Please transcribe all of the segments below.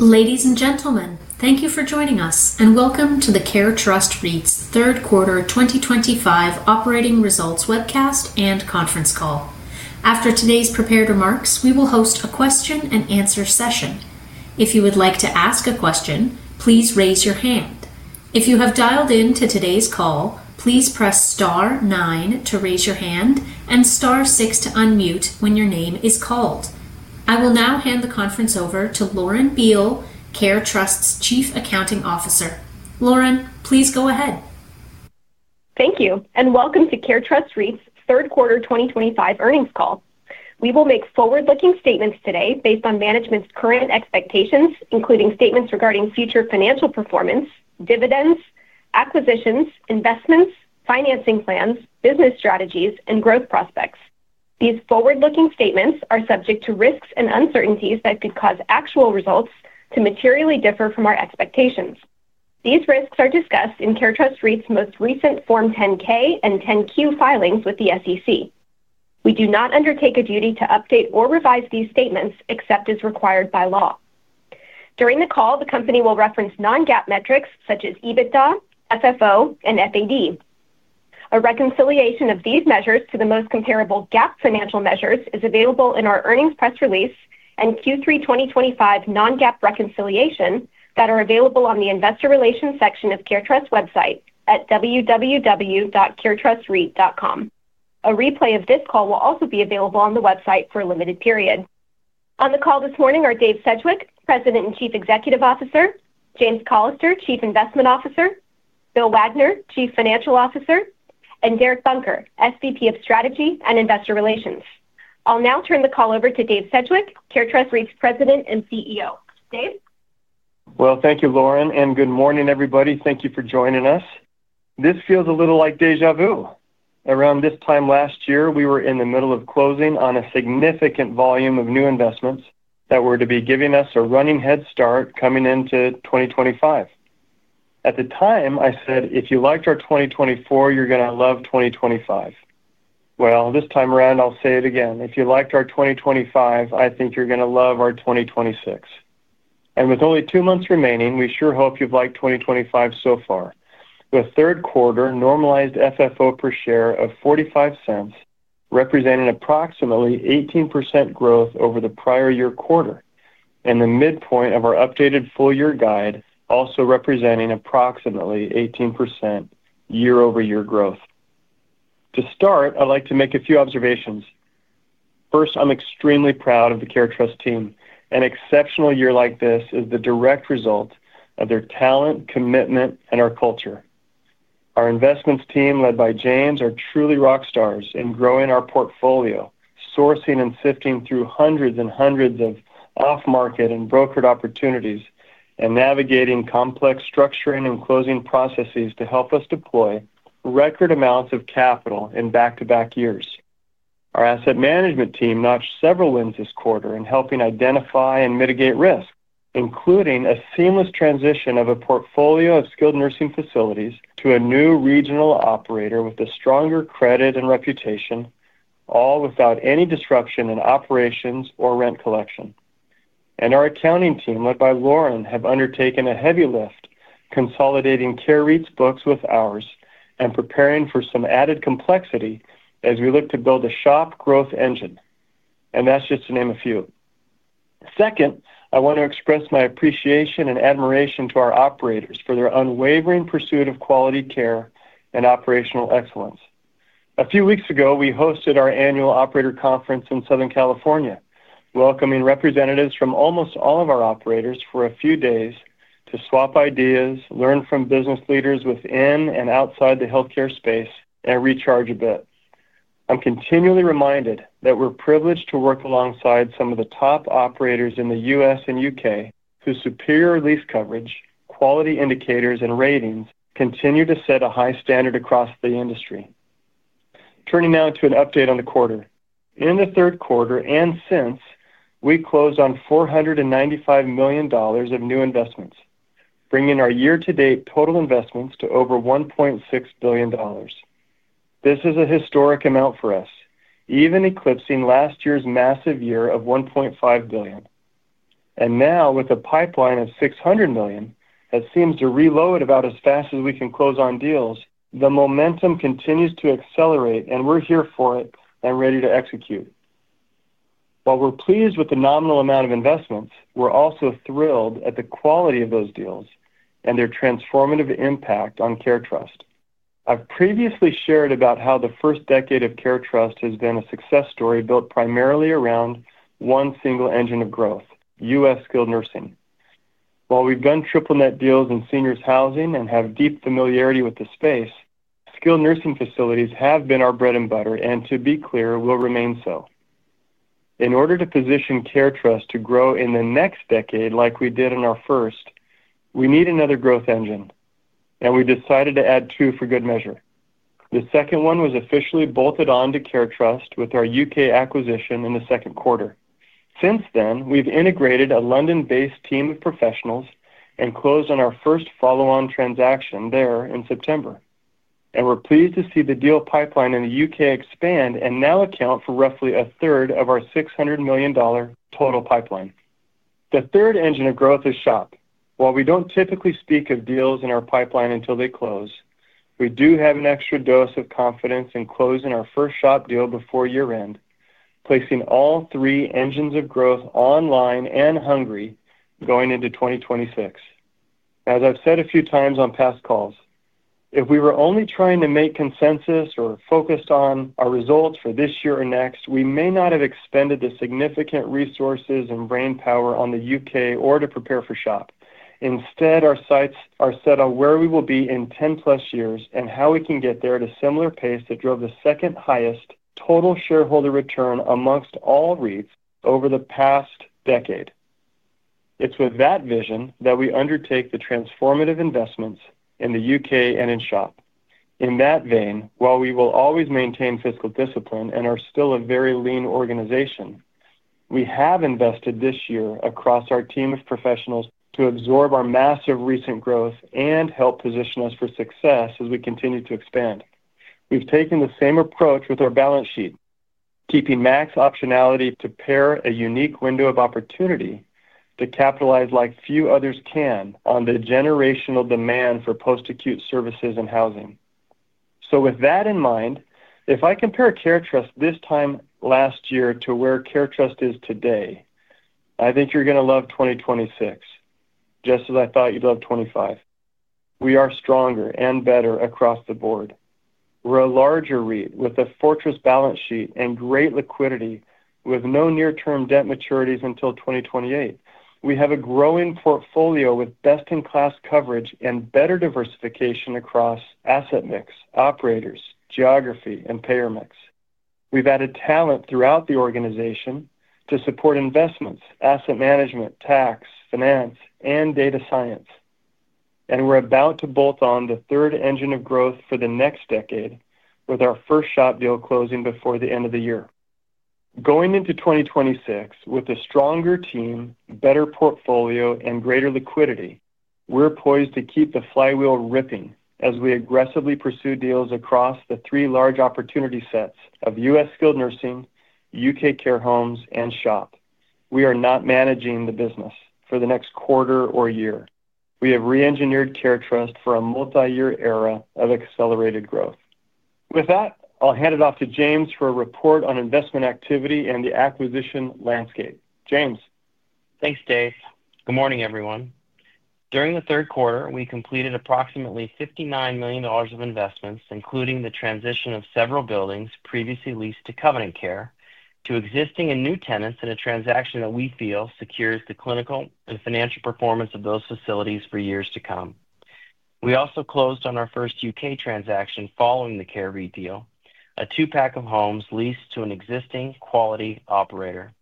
Ladies and gentlemen, thank you for joining us, and welcome to the CareTrust REIT's third quarter 2025 operating results webcast and conference call. After today's prepared remarks, we will host a question-and-answer session. If you would like to ask a question, please raise your hand. If you have dialed in to today's call, please press star nine to raise your hand and star six to unmute when your name is called. I will now hand the conference over to Lauren Beale, CareTrust's Chief Accounting Officer. Lauren, please go ahead. Thank you, and welcome to CareTrust REIT's third quarter 2025 earnings call. We will make forward-looking statements today based on management's current expectations, including statements regarding future financial performance, dividends, acquisitions, investments, financing plans, business strategies, and growth prospects. These forward-looking statements are subject to risks and uncertainties that could cause actual results to materially differ from our expectations. These risks are discussed in CareTrust REIT's most recent Form 10-K and 10-Q filings with the SEC. We do not undertake a duty to update or revise these statements except as required by law. During the call, the company will reference non-GAAP metrics such as EBITDA, FFO, and FAD. A reconciliation of these measures to the most comparable GAAP financial measures is available in our earnings press release and Q3 2025 non-GAAP reconciliation that are available on the investor relations section of the CareTrust REIT website at www.CareTrustREIT.com. A replay of this call will also be available on the website for a limited period. On the call this morning are Dave Sedgwick, President and Chief Executive Officer; James Callister, Chief Investment Officer; Bill Wagner, Chief Financial Officer; and Derek Bunker, SVP of Strategy and Investor Relations. I'll now turn the call over to Dave Sedgwick, CareTrust REIT's President and CEO. Dave? Thank you, Lauren, and good morning, everybody. Thank you for joining us. This feels a little like déjà vu. Around this time last year, we were in the middle of closing on a significant volume of new investments that were to be giving us a running head start coming into 2025. At the time, I said, "If you liked our 2024, you're going to love 2025." This time around, I'll say it again. If you liked our 2025, I think you're going to love our 2026. With only two months remaining, we sure hope you've liked 2025 so far. The third quarter normalized FFO per share of $0.45, representing approximately 18% growth over the prior year quarter, and the midpoint of our updated full-year guide also representing approximately 18% year-over-year growth. To start, I'd like to make a few observations. First, I'm extremely proud of the CareTrust team. An exceptional year like this is the direct result of their talent, commitment, and our culture. Our investments team, led by James, are truly rock stars in growing our portfolio, sourcing and sifting through hundreds and hundreds of off-market and brokered opportunities, and navigating complex structuring and closing processes to help us deploy record amounts of capital in back-to-back years. Our asset management team notched several wins this quarter in helping identify and mitigate risk, including a seamless transition of a portfolio of skilled nursing facilities to a new regional operator with a stronger credit and reputation, all without any disruption in operations or rent collection. Our accounting team, led by Lauren, has undertaken a heavy lift, consolidating Care REIT's books with ours and preparing for some added complexity as we look to build a shop growth engine. That is just to name a few. Second, I want to express my appreciation and admiration to our operators for their unwavering pursuit of quality care and operational excellence. A few weeks ago, we hosted our annual operator conference in Southern California, welcoming representatives from almost all of our operators for a few days to swap ideas, learn from business leaders within and outside the healthcare space, and recharge a bit. I am continually reminded that we are privileged to work alongside some of the top operators in the U.S. and U.K. whose superior lease coverage, quality indicators, and ratings continue to set a high standard across the industry. Turning now to an update on the quarter. In the third quarter and since, we closed on $495 million of new investments, bringing our year-to-date total investments to over $1.6 billion. This is a historic amount for us, even eclipsing last year's massive year of $1.5 billion. Now, with a pipeline of $600 million that seems to reload about as fast as we can close on deals, the momentum continues to accelerate, and we're here for it and ready to execute. While we're pleased with the nominal amount of investments, we're also thrilled at the quality of those deals and their transformative impact on CareTrust REIT. I've previously shared about how the first decade of CareTrust REIT has been a success story built primarily around one single engine of growth: U.S. skilled nursing. While we've done triple-net deals in seniors housing and have deep familiarity with the space, skilled nursing facilities have been our bread and butter, and to be clear, will remain so. In order to position CareTrust to grow in the next decade like we did in our first, we need another growth engine, and we decided to add two for good measure. The second one was officially bolted on to CareTrust with our U.K. acquisition in the second quarter. Since then, we've integrated a London-based team of professionals and closed on our first follow-on transaction there in September. We're pleased to see the deal pipeline in the U.K. expand and now account for roughly a third of our $600 million total pipeline. The third engine of growth is shop. While we don't typically speak of deals in our pipeline until they close, we do have an extra dose of confidence in closing our first shop deal before year-end, placing all three engines of growth online and hungry going into 2026. As I've said a few times on past calls, if we were only trying to make consensus or focused on our results for this year or next, we may not have expended the significant resources and brainpower on the U.K. or to prepare for shop. Instead, our sights are set on where we will be in 10+ years and how we can get there at a similar pace that drove the second-highest total shareholder return amongst all REITs over the past decade. It is with that vision that we undertake the transformative investments in the U.K. and in shop. In that vein, while we will always maintain fiscal discipline and are still a very lean organization, we have invested this year across our team of professionals to absorb our massive recent growth and help position us for success as we continue to expand. We've taken the same approach with our balance sheet, keeping max optionality to pair a unique window of opportunity to capitalize like few others can on the generational demand for post-acute services and housing. With that in mind, if I compare CareTrust this time last year to where CareTrust is today, I think you're going to love 2026. Just as I thought you'd love 2025. We are stronger and better across the board. We're a larger REIT with a fortress balance sheet and great liquidity, with no near-term debt maturities until 2028. We have a growing portfolio with best-in-class coverage and better diversification across asset mix, operators, geography, and payer mix. We've added talent throughout the organization to support investments, asset management, tax, finance, and data science. We are about to bolt on the third engine of growth for the next decade, with our first SHOP deal closing before the end of the year. Going into 2026, with a stronger team, better portfolio, and greater liquidity, we are poised to keep the flywheel ripping as we aggressively pursue deals across the three large opportunity sets of U.S. skilled nursing, U.K. care homes, and SHOP. We are not managing the business for the next quarter or year. We have re-engineered CareTrust REIT for a multi-year era of accelerated growth. With that, I will hand it off to James for a report on investment activity and the acquisition landscape. James. Thanks, Dave. Good morning, everyone. During the third quarter, we completed approximately $59 million of investments, including the transition of several buildings previously leased to Covenant Care to existing and new tenants in a transaction that we feel secures the clinical and financial performance of those facilities for years to come. We also closed on our first U.K. transaction following the Care REIT deal, a two-pack of homes leased to an existing quality operator.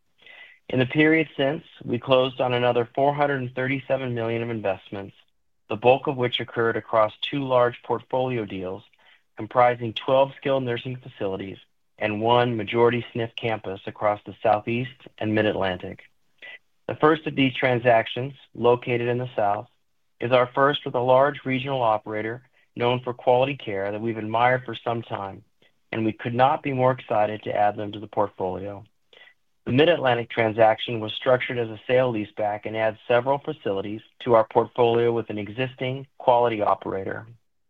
In the period since, we closed on another $437 million of investments, the bulk of which occurred across two large portfolio deals comprising 12 skilled nursing facilities and one majority SNF campus across the Southeast and Mid-Atlantic. The first of these transactions, located in the South, is our first with a large regional operator known for quality care that we've admired for some time, and we could not be more excited to add them to the portfolio. The Mid-Atlantic transaction was structured as a sale-leaseback and adds several facilities to our portfolio with an existing quality operator.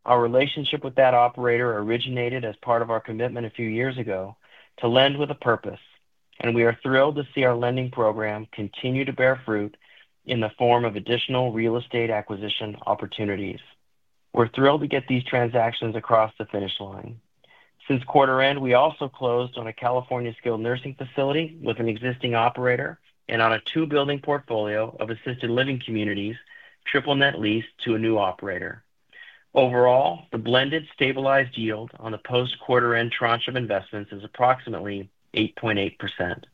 Our relationship with that operator originated as part of our commitment a few years ago to lend with a purpose, and we are thrilled to see our lending program continue to bear fruit in the form of additional real estate acquisition opportunities. We're thrilled to get these transactions across the finish line. Since quarter-end, we also closed on a California skilled nursing facility with an existing operator and on a two-building portfolio of assisted living communities triple-net leased to a new operator. Overall, the blended stabilized yield on the post-quarter-end tranche of investments is approximately 8.8%.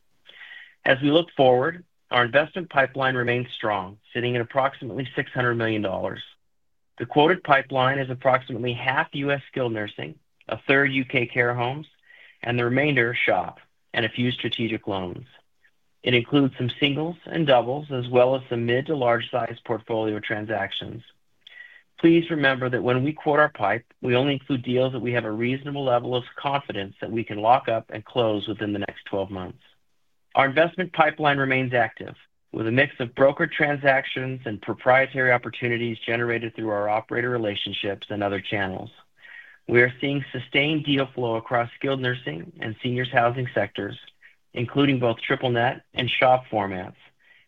As we look forward, our investment pipeline remains strong, sitting at approximately $600 million. The quoted pipeline is approximately half U.S. skilled nursing, a third U.K. care homes, and the remainder SHOP and a few strategic loans. It includes some singles and doubles, as well as some mid-to-large-sized portfolio transactions. Please remember that when we quote our pipe, we only include deals that we have a reasonable level of confidence that we can lock up and close within the next 12 months. Our investment pipeline remains active, with a mix of brokered transactions and proprietary opportunities generated through our operator relationships and other channels. We are seeing sustained deal flow across skilled nursing and seniors housing sectors, including both triple-net and SHOP formats,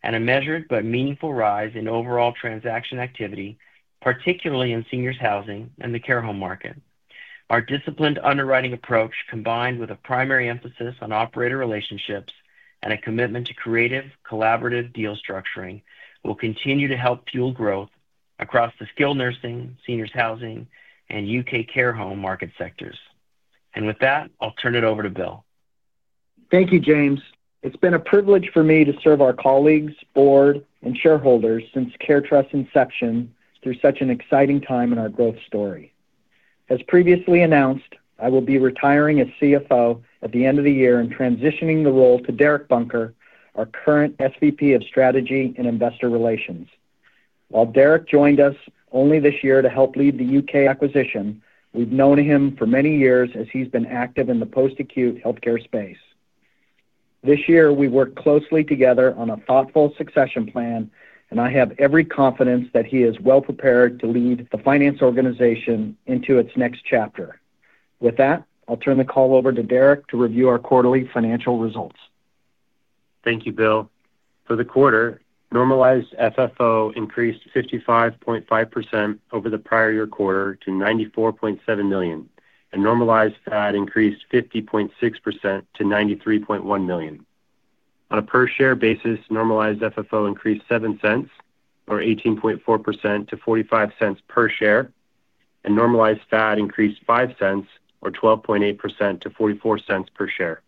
and a measured but meaningful rise in overall transaction activity, particularly in seniors housing and the care home market. Our disciplined underwriting approach, combined with a primary emphasis on operator relationships and a commitment to creative, collaborative deal structuring, will continue to help fuel growth across the skilled nursing, seniors housing, and U.K. care home market sectors. With that, I'll turn it over to Bill. Thank you, James. It's been a privilege for me to serve our colleagues, Board, and shareholders since CareTrust's inception through such an exciting time in our growth story. As previously announced, I will be retiring as CFO at the end of the year and transitioning the role to Derek Bunker, our current SVP of Strategy and Investor Relations. While Derek joined us only this year to help lead the U.K. acquisition, we've known him for many years as he's been active in the post-acute healthcare space. This year, we worked closely together on a thoughtful succession plan, and I have every confidence that he is well prepared to lead the finance organization into its next chapter. With that, I'll turn the call over to Derek to review our quarterly financial results. Thank you, Bill. For the quarter, normalized FFO increased 55.5% over the prior year quarter to $94.7 million, and normalized FAD increased 50.6% to $93.1 million. On a per-share basis, normalized FFO increased $0.07, or 18.4%, to $0.45 per share, and normalized FAD increased $0.05, or 12.8%, to $0.44 per share.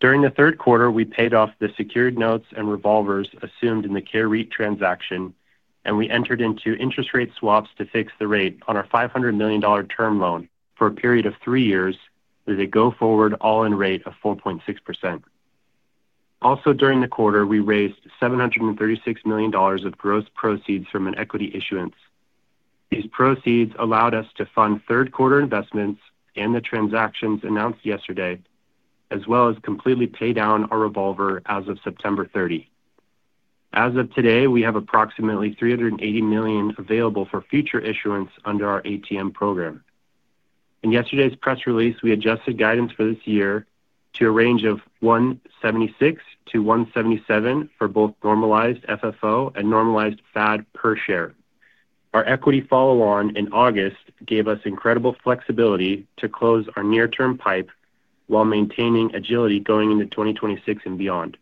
During the third quarter, we paid off the secured notes and revolvers assumed in the Care REIT transaction, and we entered into interest rate swaps to fix the rate on our $500 million term loan for a period of three years with a go-forward all-in rate of 4.6%. Also, during the quarter, we raised $736 million of growth proceeds from an equity issuance. These proceeds allowed us to fund third-quarter investments and the transactions announced yesterday, as well as completely pay down our revolver as of September 30. As of today, we have approximately $380 million available for future issuance under our ATM program. In yesterday's press release, we adjusted guidance for this year to a range of $1.76-$1.77 for both normalized FFO and normalized FAD per share. Our equity follow-on in August gave us incredible flexibility to close our near-term pipe while maintaining agility going into 2026 and beyond.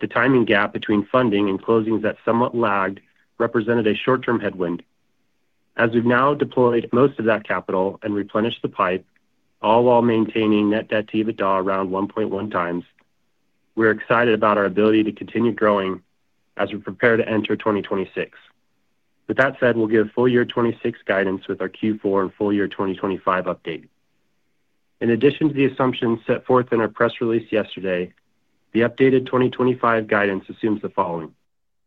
The timing gap between funding and closings that somewhat lagged represented a short-term headwind. As we've now deployed most of that capital and replenished the pipe, all while maintaining net debt to EBITDA around 1.1x, we're excited about our ability to continue growing as we prepare to enter 2026. With that said, we'll give full year 2026 guidance with our Q4 and full year 2025 update. In addition to the assumptions set forth in our press release yesterday, the updated 2025 guidance assumes the following: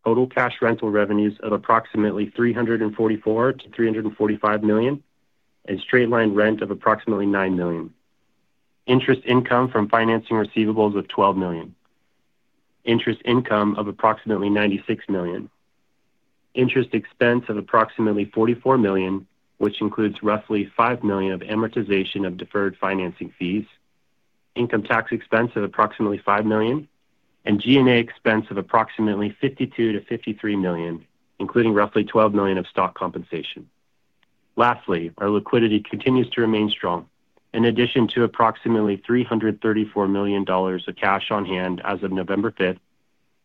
total cash rental revenues of approximately $344 million-$345 million, and straight-line rent of approximately $9 million. Interest income from financing receivables of $12 million. Interest income of approximately $96 million. Interest expense of approximately $44 million, which includes roughly $5 million of amortization of deferred financing fees, income tax expense of approximately $5 million, and G&A expense of approximately $52 million-$53 million, including roughly $12 million of stock compensation. Lastly, our liquidity continues to remain strong. In addition to approximately $334 million of cash on hand as of November 5,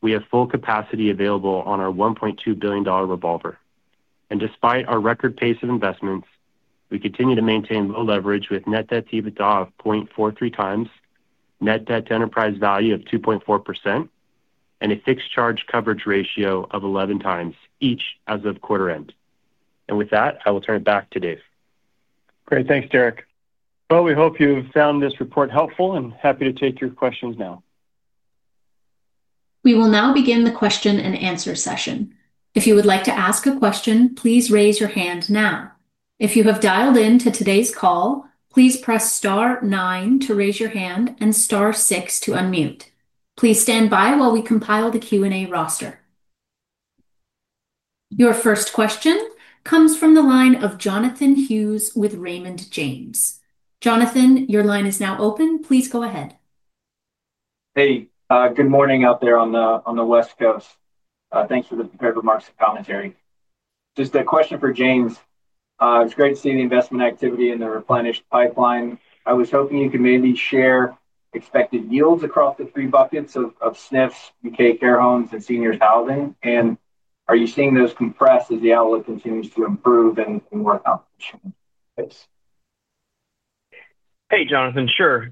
we have full capacity available on our $1.2 billion revolver. Despite our record pace of investments, we continue to maintain low leverage with net debt to EBITDA of 0.43x, net debt to enterprise value of 2.4%, and a fixed charge coverage ratio of 11x, each as of quarter-end. With that, I will turn it back to Dave. Great. Thanks, Derek. We hope you've found this report helpful and happy to take your questions now. We will now begin the question-and-answer session. If you would like to ask a question, please raise your hand now. If you have dialed in to today's call, please press star 9 to raise your hand and star 6 to unmute. Please stand by while we compile the Q&A roster. Your first question comes from the line of Jonathan Hughes with Raymond James. Jonathan, your line is now open. Please go ahead. Hey. Good morning out there on the West Coast. Thanks for the remarks and commentary. Just a question for James. It's great to see the investment activity in the replenished pipeline. I was hoping you could maybe share expected yields across the three buckets of SNFs, U.K. care homes, and seniors housing. Are you seeing those compressed as the outlook continues to improve and more accomplishments? Hey, Jonathan. Sure.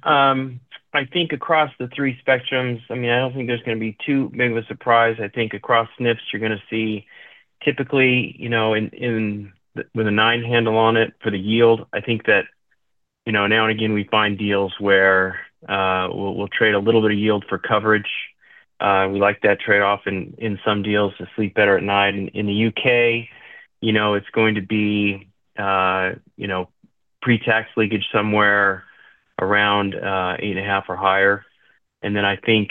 I think across the three spectrums, I mean, I do not think there is going to be too big of a surprise. I think across SNFs, you are going to see typically, with a 9 handle on it for the yield, I think that now and again, we find deals where we will trade a little bit of yield for coverage. We like that trade-off in some deals to sleep better at night. In the U.K., it is going to be pre-tax leakage somewhere around 8.5% or higher. And then I think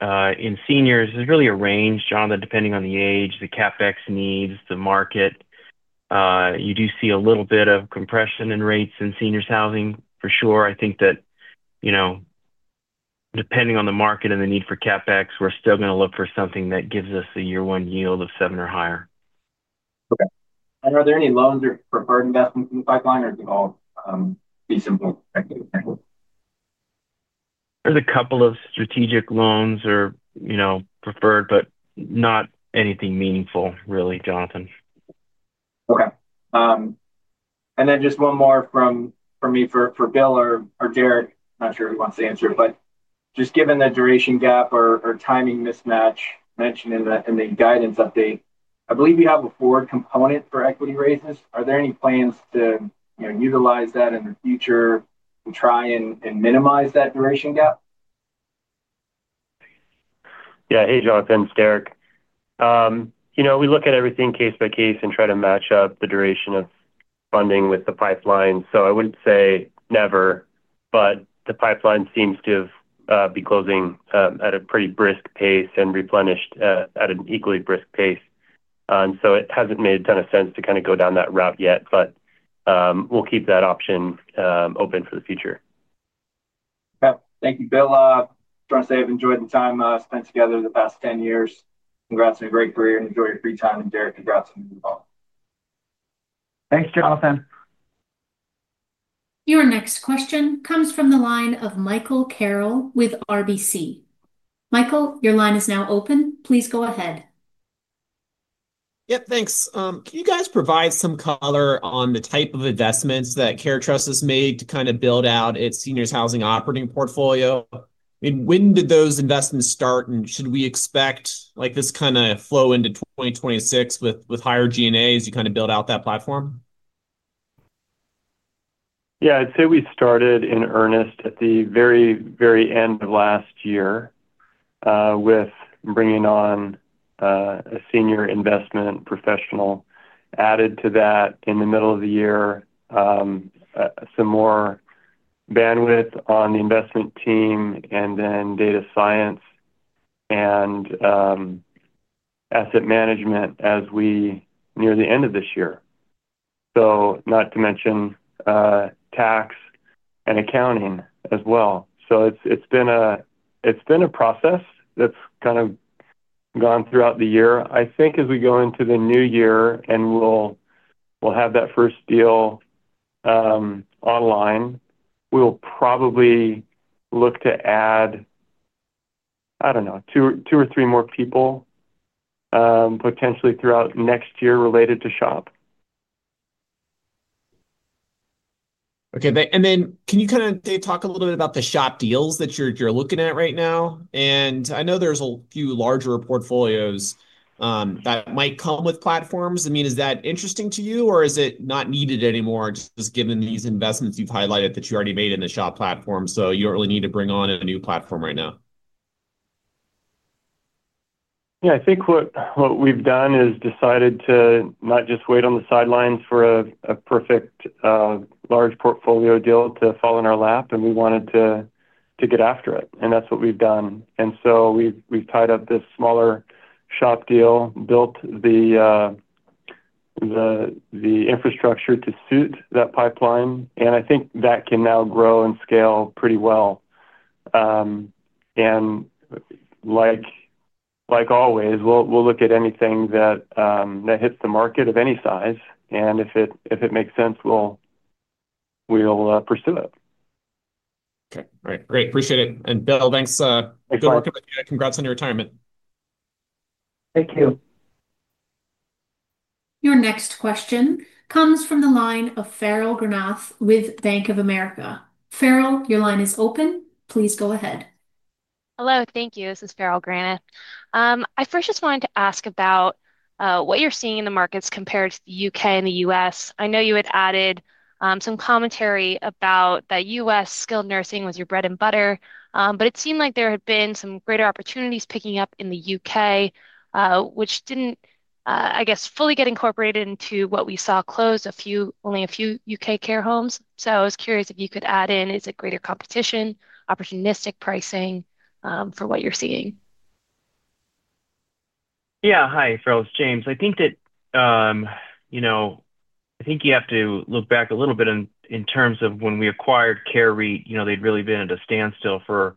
in seniors, there is really a range, Jonathan, depending on the age, the CapEx needs, the market. You do see a little bit of compression in rates in seniors housing, for sure. I think that depending on the market and the need for CapEx, we are still going to look for something that gives us a year-one yield of 7% or higher. Okay. Are there any loans or preferred investments in the pipeline, or is it all be simply? There's a couple of strategic loans that are preferred, but not anything meaningful, really, Jonathan. Okay. And then just one more from me for Bill or Derek. Not sure who wants to answer, but just given the duration gap or timing mismatch mentioned in the guidance update, I believe you have a forward component for equity raises. Are there any plans to utilize that in the future and try and minimize that duration gap? Yeah. Hey, Jonathan. It's Derek. We look at everything case by case and try to match up the duration of funding with the pipeline. I wouldn't say never, but the pipeline seems to be closing at a pretty brisk pace and replenished at an equally brisk pace. It hasn't made a ton of sense to kind of go down that route yet, but we'll keep that option open for the future. Yep. Thank you, Bill. I just want to say I've enjoyed the time spent together the past 10 years. Congrats on your great career. Enjoy your free time. Derek, congrats on moving on. Thanks, Jonathan. Your next question comes from the line of Michael Carroll with RBC. Michael, your line is now open. Please go ahead. Yep. Thanks. Can you guys provide some color on the type of investments that CareTrust has made to kind of build out its seniors housing operating portfolio? I mean, when did those investments start, and should we expect this kind of flow into 2026 with higher G&A as you kind of build out that platform? Yeah. I'd say we started in earnest at the very, very end of last year with bringing on a senior investment professional. Added to that in the middle of the year some more bandwidth on the investment team, and then data science and asset management as we near the end of this year. Not to mention tax and accounting as well. It's been a process that's kind of gone throughout the year. I think as we go into the new year and we'll have that first deal online, we'll probably look to add, I don't know, two or three more people potentially throughout next year related to shop. Okay. Can you kind of talk a little bit about the shop deals that you're looking at right now? I know there's a few larger portfolios that might come with platforms. I mean, is that interesting to you, or is it not needed anymore, just given these investments you've highlighted that you already made in the shop platform, so you don't really need to bring on a new platform right now? Yeah. I think what we've done is decided to not just wait on the sidelines for a perfect, large portfolio deal to fall in our lap, and we wanted to get after it. That's what we've done. We've tied up this smaller shop deal, built the infrastructure to suit that pipeline, and I think that can now grow and scale pretty well. Like always, we'll look at anything that hits the market of any size, and if it makes sense, we'll pursue it. Okay. All right. Great. Appreciate it. Bill, thanks. Good luck with it. Congrats on your retirement. Thank you. Your next question comes from the line of Farrell Granath with Bank of America. Farrell, your line is open. Please go ahead. Hello. Thank you. This is Farrell Granath. I first just wanted to ask about what you're seeing in the markets compared to the U.K. and the U.S. I know you had added some commentary about that U.S. skilled nursing was your bread and butter, but it seemed like there had been some greater opportunities picking up in the U.K., which did not, I guess, fully get incorporated into what we saw close to only a few U.K. care homes. I was curious if you could add in, is it greater competition, opportunistic pricing for what you're seeing? Yeah. Hi, Farrell. It's James. I think that. I think you have to look back a little bit in terms of when we acquired Care REIT. They'd really been at a standstill for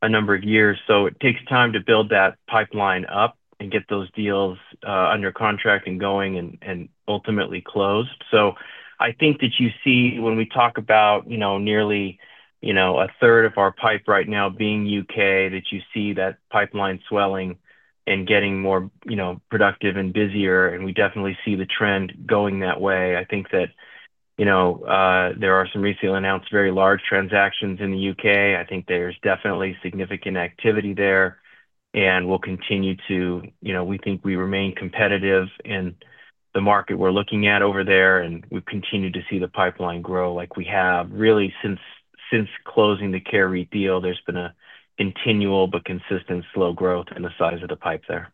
a number of years. It takes time to build that pipeline up and get those deals under contract and going and ultimately closed. I think that you see when we talk about nearly a third of our pipe right now being U.K., that you see that pipeline swelling and getting more productive and busier, and we definitely see the trend going that way. I think that there are some recently announced very large transactions in the U.K. I think there's definitely significant activity there, and we think we remain competitive in the market we're looking at over there, and we've continued to see the pipeline grow like we have. Really, since closing the Care REIT deal, there's been a continual but consistent slow growth in the size of the pipe there.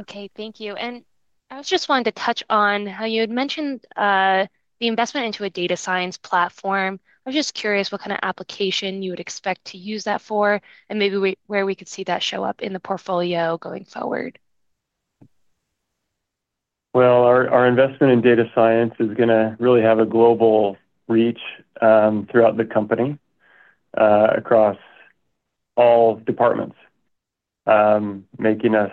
Okay. Thank you. I was just wanting to touch on how you had mentioned the investment into a data science platform. I was just curious what kind of application you would expect to use that for and maybe where we could see that show up in the portfolio going forward. Our investment in data science is going to really have a global reach throughout the company. Across all departments, making us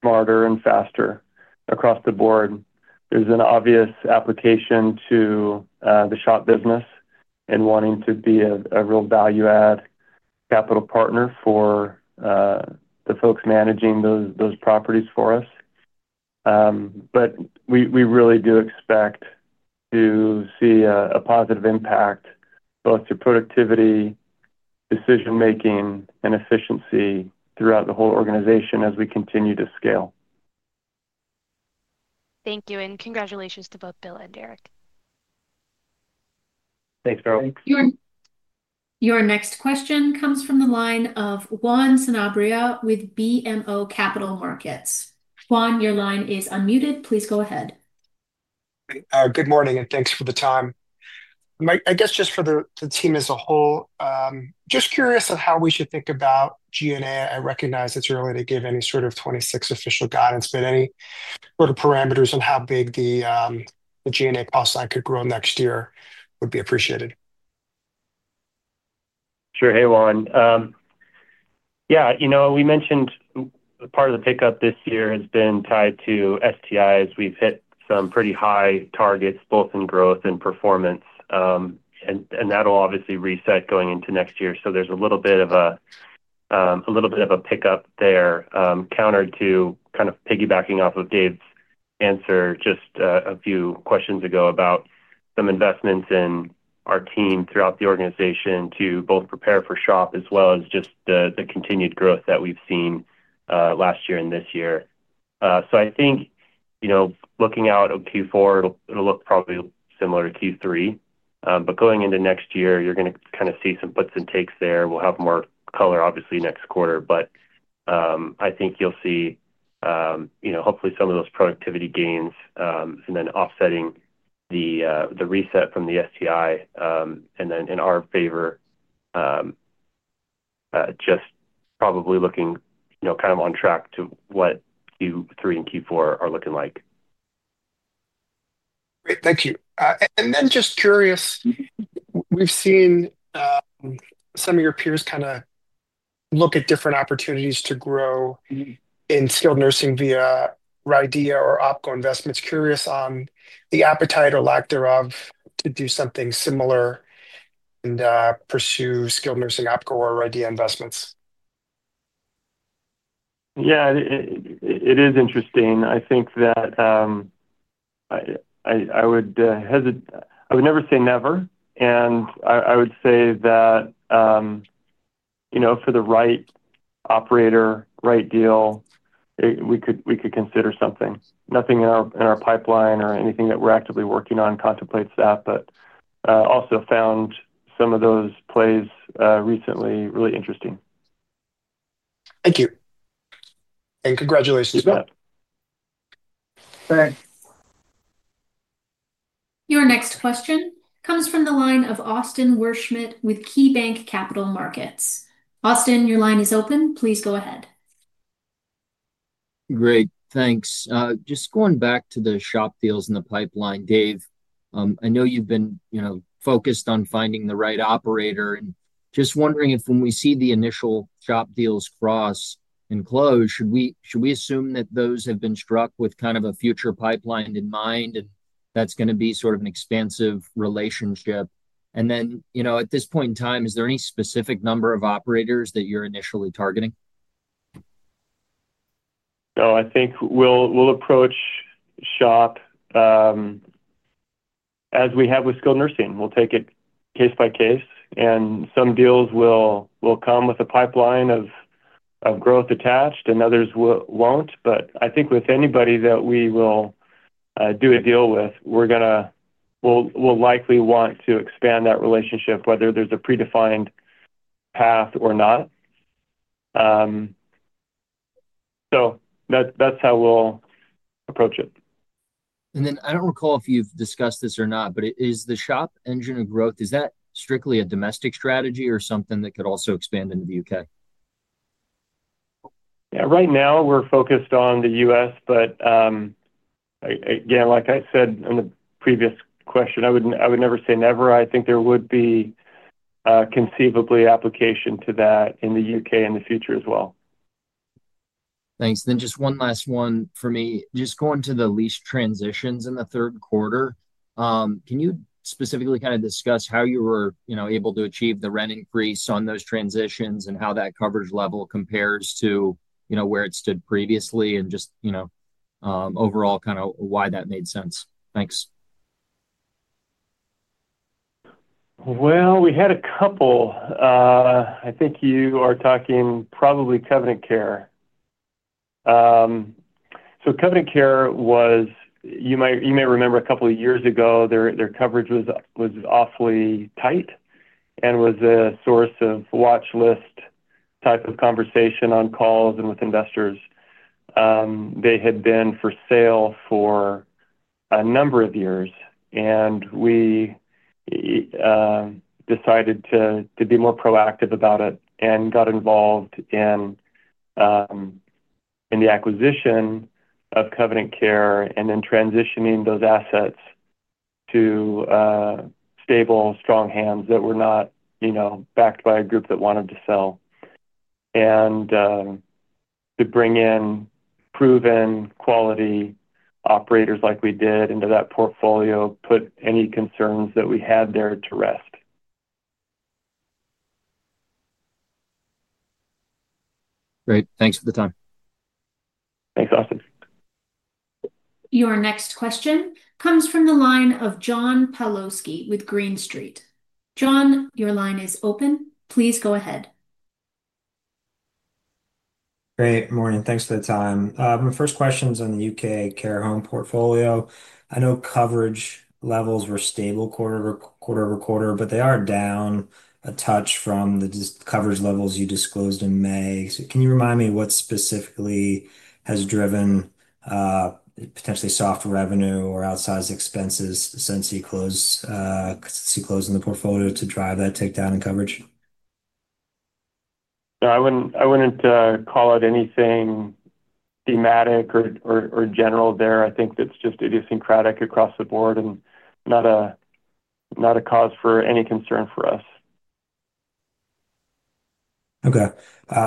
smarter and faster across the board. There's an obvious application to the shop business and wanting to be a real value-add capital partner for the folks managing those properties for us. We really do expect to see a positive impact both to productivity, decision-making, and efficiency throughout the whole organization as we continue to scale. Thank you. Congratulations to both Bill and Derek. Thanks, Farrell. Your next question comes from the line of Juan Sanabria with BMO Capital Markets. Juan, your line is unmuted. Please go ahead. Good morning, and thanks for the time. I guess just for the team as a whole, just curious on how we should think about G&A. I recognize it's early to give any sort of 2026 official guidance, but any sort of parameters on how big the G&A cost line could grow next year would be appreciated. Sure. Hey, Juan. Yeah. We mentioned part of the pickup this year has been tied to STIs. We've hit some pretty high targets, both in growth and performance. That'll obviously reset going into next year. There's a little bit of a pickup there, countered to kind of piggybacking off of Dave's answer just a few questions ago about some investments in our team throughout the organization to both prepare for SHOP as well as just the continued growth that we've seen last year and this year. I think looking out of Q4, it'll look probably similar to Q3. Going into next year, you're going to kind of see some puts and takes there. We'll have more color, obviously, next quarter. I think you'll see. Hopefully some of those productivity gains and then offsetting the reset from the STI and then in our favor. Just probably looking kind of on track to what Q3 and Q4 are looking like. Great. Thank you. Just curious. We've seen some of your peers kind of look at different opportunities to grow in skilled nursing via RIDEA or OPCO investments. Curious on the appetite or lack thereof to do something similar and pursue skilled nursing OPCO or RIDEA investments. Yeah. It is interesting. I think that. I would never say never. I would say that for the right operator, right deal, we could consider something. Nothing in our pipeline or anything that we're actively working on contemplates that, but also found some of those plays recently really interesting. Thank you. Congratulations, Bill. Thanks. Your next question comes from the line of Austin Werschmidt with KeyBanc Capital Markets. Austin, your line is open. Please go ahead. Great. Thanks. Just going back to the shop deals in the pipeline, Dave, I know you've been focused on finding the right operator. Just wondering if when we see the initial shop deals cross and close, should we assume that those have been struck with kind of a future pipeline in mind and that's going to be sort of an expansive relationship? At this point in time, is there any specific number of operators that you're initially targeting? No. I think we'll approach shop as we have with skilled nursing. We'll take it case by case. Some deals will come with a pipeline of growth attached, and others won't. I think with anybody that we will do a deal with, we'll likely want to expand that relationship, whether there's a predefined path or not. That is how we'll approach it. I do not recall if you have discussed this or not, but is the shop engine of growth, is that strictly a domestic strategy or something that could also expand into the U.K.? Yeah. Right now, we're focused on the U.S., but. Again, like I said in the previous question, I would never say never. I think there would be. Conceivably application to that in the U.K. in the future as well. Thanks. Just one last one for me. Just going to the lease transitions in the third quarter, can you specifically kind of discuss how you were able to achieve the rent increase on those transitions and how that coverage level compares to where it stood previously and just overall kind of why that made sense? Thanks. We had a couple. I think you are talking probably Covenant Care. Covenant Care was, you may remember, a couple of years ago, their coverage was awfully tight and was a source of watchlist type of conversation on calls and with investors. They had been for sale for a number of years, and we decided to be more proactive about it and got involved in the acquisition of Covenant Care and then transitioning those assets to stable, strong hands that were not backed by a group that wanted to sell. To bring in proven quality operators like we did into that portfolio put any concerns that we had there to rest. Great. Thanks for the time. Thanks, Austin. Your next question comes from the line of John Pawlowski with Green Street. John, your line is open. Please go ahead. Great. Morning. Thanks for the time. My first question is on the U.K. care home portfolio. I know coverage levels were stable quarter over quarter, but they are down a touch from the coverage levels you disclosed in May. Can you remind me what specifically has driven potentially soft revenue or outsized expenses since you closed in the portfolio to drive that takedown in coverage? I wouldn't call it anything thematic or general there. I think it's just idiosyncratic across the board and not a cause for any concern for us. Okay.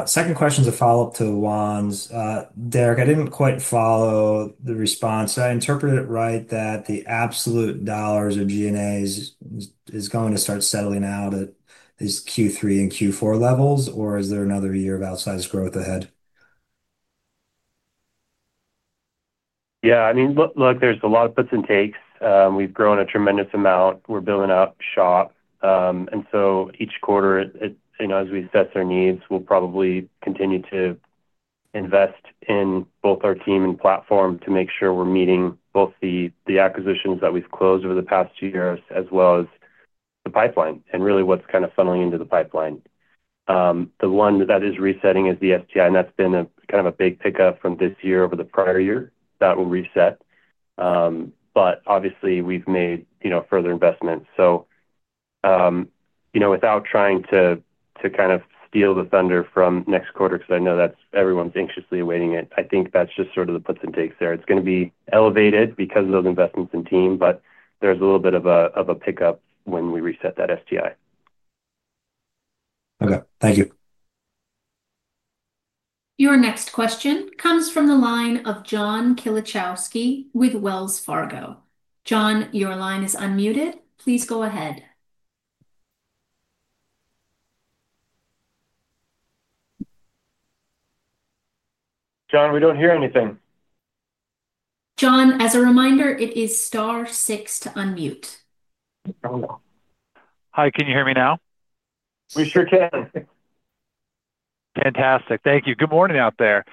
Second question is a follow-up to Juan's. Derek, I didn't quite follow the response. Did I interpret it right that the absolute dollars of G&As is going to start settling out at these Q3 and Q4 levels, or is there another year of outsized growth ahead? Yeah. I mean, look, there's a lot of puts and takes. We've grown a tremendous amount. We're building out shop. Each quarter, as we assess our needs, we'll probably continue to invest in both our team and platform to make sure we're meeting both the acquisitions that we've closed over the past two years as well as the pipeline and really what's kind of funneling into the pipeline. The one that is resetting is the STI, and that's been kind of a big pickup from this year over the prior year that will reset. Obviously, we've made further investments. Without trying to kind of steal the thunder from next quarter because I know that's everyone's anxiously awaiting it, I think that's just sort of the puts and takes there. It's going to be elevated because of those investments in team, but there's a little bit of a pickup when we reset that STI. Okay. Thank you. Your next question comes from the line of John Kilichowski with Wells Fargo. John, your line is unmuted. Please go ahead. John, we don't hear anything. John, as a reminder, it is star six to unmute. Hi. Can you hear me now? We sure can. Fantastic. Thank you. Good morning out there.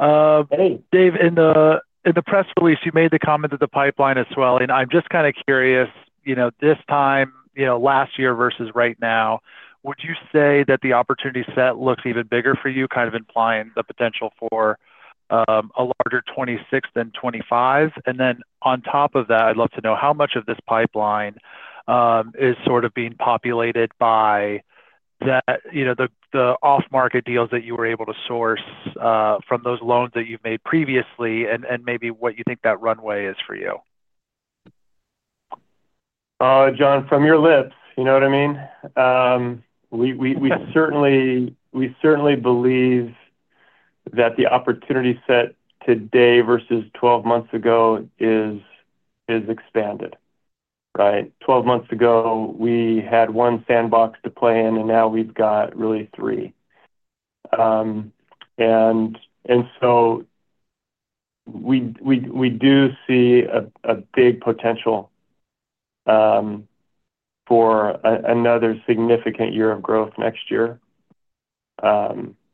Hey. Dave, in the press release, you made the comment that the pipeline is swelling. I'm just kind of curious. This time last year versus right now, would you say that the opportunity set looks even bigger for you, kind of implying the potential for a larger 2026 than 2025? On top of that, I'd love to know how much of this pipeline is sort of being populated by the off-market deals that you were able to source from those loans that you've made previously and maybe what you think that runway is for you? John, from your lips, you know what I mean? We certainly believe that the opportunity set today versus 12 months ago is expanded, right? Twelve months ago, we had one sandbox to play in, and now we have really three. We do see a big potential for another significant year of growth next year.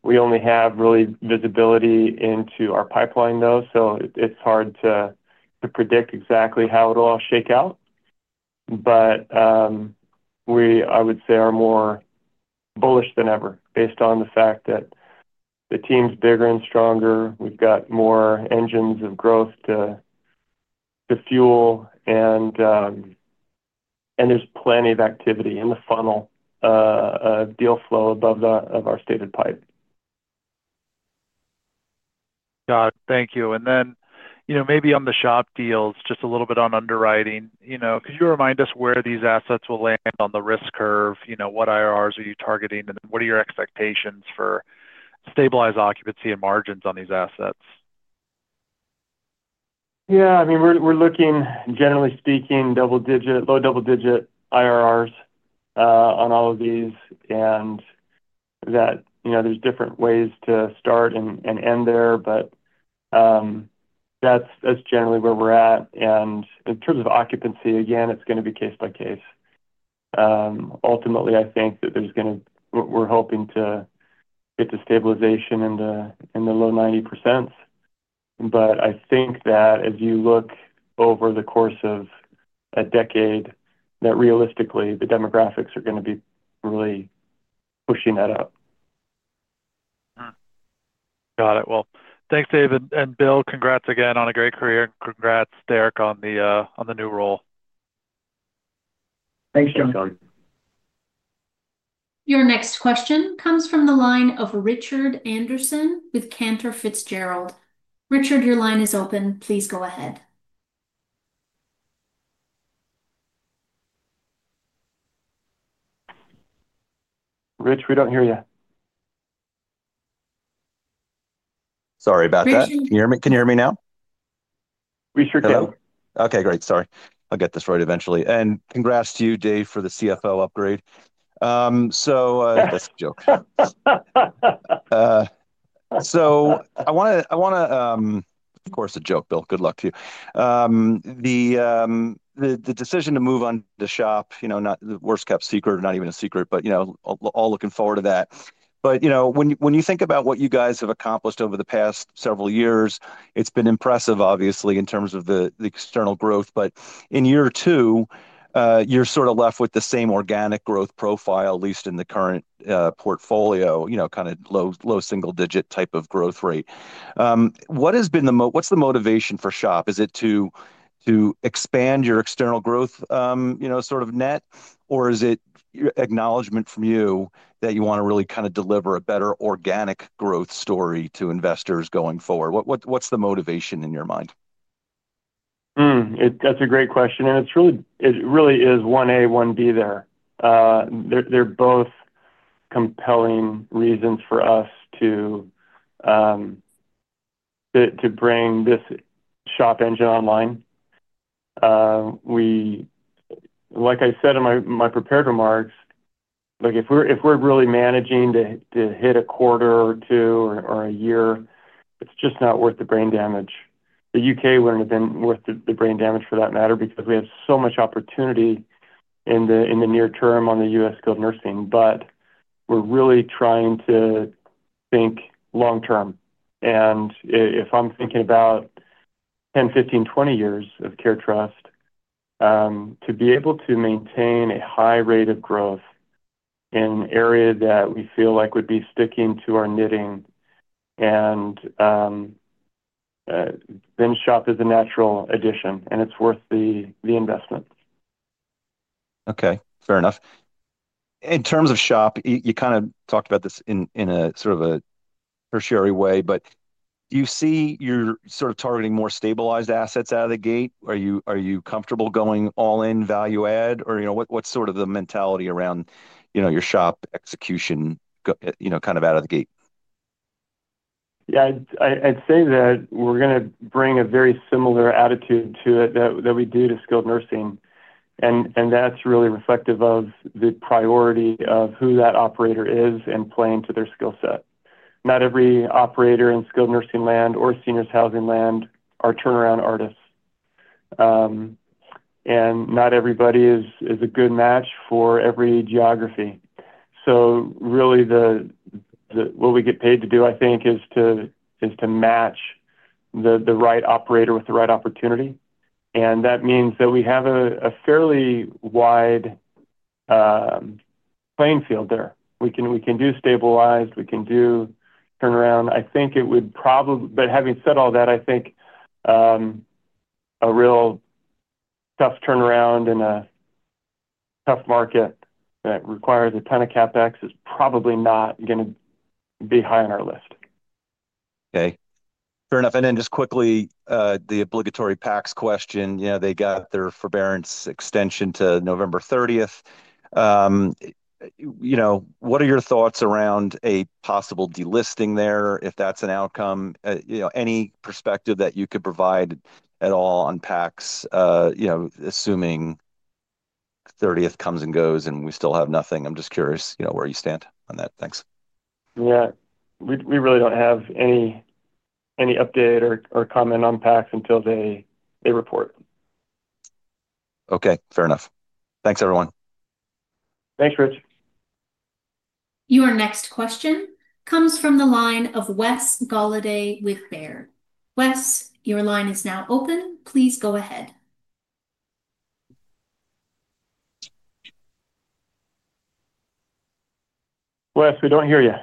We only have really visibility into our pipeline, though, so it is hard to predict exactly how it will all shake out. I would say we are more bullish than ever based on the fact that the team's bigger and stronger. We have more engines of growth to fuel, and there is plenty of activity in the funnel of deal flow above our stated pipe. Got it. Thank you. Maybe on the shop deals, just a little bit on underwriting. Could you remind us where these assets will land on the risk curve? What IRRs are you targeting? What are your expectations for stabilized occupancy and margins on these assets? Yeah. I mean, we're looking, generally speaking, low double-digit IRRs. On all of these, and there's different ways to start and end there. That's generally where we're at. In terms of occupancy, again, it's going to be case by case. Ultimately, I think that there's going to—we're hoping to get to stabilization in the low 90%. I think that as you look over the course of a decade, that realistically, the demographics are going to be really pushing that up. Got it. Thanks, David. Bill, congrats again on a great career. Congrats, Derek, on the new role. Thanks, John. Your next question comes from the line of Richard Anderson with Cantor Fitzgerald. Richard, your line is open. Please go ahead. Rich, we do not hear you. Sorry about that. Can you hear me now? We sure can. Okay. Great. Sorry. I'll get this right eventually. And congrats to you, Dave, for the CFO upgrade. That's a joke. I want to—of course, a joke, Bill. Good luck to you. The decision to move on to shop, not the worst-kept secret, not even a secret, but all looking forward to that. When you think about what you guys have accomplished over the past several years, it's been impressive, obviously, in terms of the external growth. In year two, you're sort of left with the same organic growth profile, at least in the current portfolio, kind of low single-digit type of growth rate. What has been the—what's the motivation for shop? Is it to expand your external growth sort of net, or is it acknowledgment from you that you want to really kind of deliver a better organic growth story to investors going forward? What's the motivation in your mind? That's a great question. It really is one A, one B there. They're both compelling reasons for us to bring this shop engine online. Like I said in my prepared remarks, if we're really managing to hit a quarter or two or a year, it's just not worth the brain damage. The U.K. wouldn't have been worth the brain damage for that matter because we have so much opportunity in the near term on the U.S. skilled nursing. We're really trying to think long-term. If I'm thinking about 10, 15, 20 years of CareTrust, to be able to maintain a high rate of growth in an area that we feel like would be sticking to our knitting, then shop is a natural addition, and it's worth the investment. Okay. Fair enough. In terms of SHOP, you kind of talked about this in a sort of a tertiary way, but do you see you're sort of targeting more stabilized assets out of the gate? Are you comfortable going all-in value add? Or what's sort of the mentality around your SHOP execution kind of out of the gate? Yeah. I'd say that we're going to bring a very similar attitude to it that we do to skilled nursing. And that's really reflective of the priority of who that operator is and playing to their skill set. Not every operator in skilled nursing land or seniors housing land are turnaround artists. And not everybody is a good match for every geography. So really, what we get paid to do, I think, is to match the right operator with the right opportunity. And that means that we have a fairly wide playing field there. We can do stabilized. We can do turnaround. I think it would probably—but having said all that, I think a real tough turnaround in a tough market that requires a ton of CapEx is probably not going to be high on our list. Okay. Fair enough. Just quickly, the obligatory Pacs question. They got their forbearance extension to November 30. What are your thoughts around a possible delisting there if that's an outcome? Any perspective that you could provide at all on Pacs? Assuming 30th comes and goes and we still have nothing? I'm just curious where you stand on that. Thanks. Yeah. We really do not have any update or comment on Pacs until they report. Okay. Fair enough. Thanks, everyone. Thanks, Rich. Your next question comes from the line of Wes Golladay with Baird. Wes, your line is now open. Please go ahead. Wes, we do not hear you.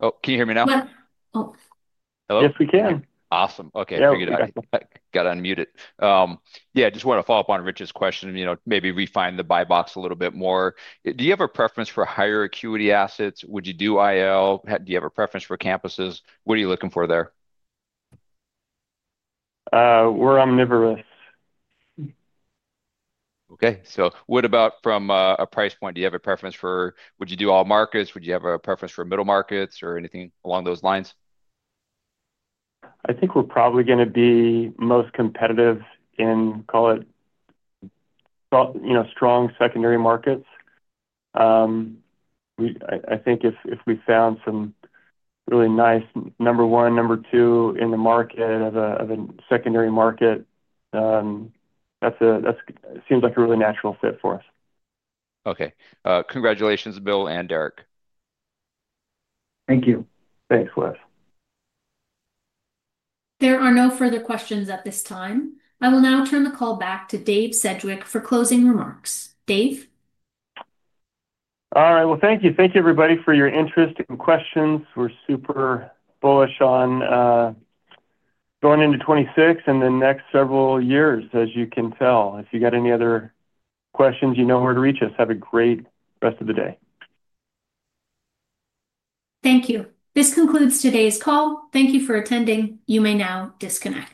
Oh, can you hear me now? Yes, we can. Awesome. Okay. Figured I got to unmute it. Yeah. I just want to follow up on Rich's question, maybe refine the buy box a little bit more. Do you have a preference for higher acuity assets? Would you do IL? Do you have a preference for campuses? What are you looking for there? We're omnivorous. Okay. So what about from a price point? Do you have a preference for—would you do all markets? Would you have a preference for middle markets or anything along those lines? I think we're probably going to be most competitive in, call it, strong secondary markets. I think if we found some really nice number one, number two in the market of a secondary market, that seems like a really natural fit for us. Okay. Congratulations, Bill and Derek. Thank you. Thanks, Wes. There are no further questions at this time. I will now turn the call back to Dave Sedgwick for closing remarks. Dave? All right. Thank you, everybody, for your interest and questions. We're super bullish on going into 2026 and the next several years, as you can tell. If you got any other questions, you know where to reach us. Have a great rest of the day. Thank you. This concludes today's call. Thank you for attending. You may now disconnect.